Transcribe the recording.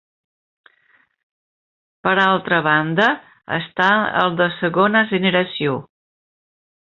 Per altra banda està el de segona generació.